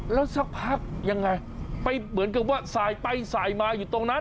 แล้วสักพักยังไงไปเหมือนกับว่าสายไปสายมาอยู่ตรงนั้น